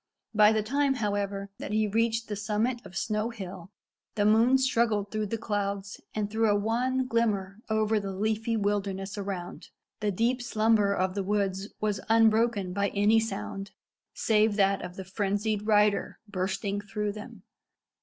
By the time, however, that he reached the summit of Snow Hill the moon struggled through the clouds, and threw a wan glimmer over the leafy wilderness around. The deep slumber of the woods was unbroken by any sound save that of the frenzied rider bursting through them.